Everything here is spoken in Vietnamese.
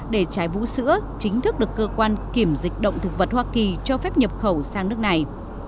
để trái vũ sữa chính thức được cơ quan kiểm dịch động thực vật hoa kỳ cho phép nhập khẩu sang nước này